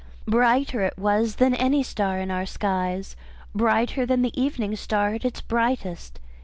Brighter it was than any star in our skies; brighter than the evening star at its brightest.